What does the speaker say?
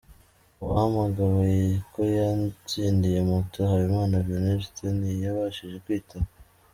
Uwahamagawe ko yatsindiye moto, Habimana Venuste, ntiyabashije kwitaba.